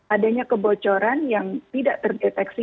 adanya kebocoran yang tidak terdeteksi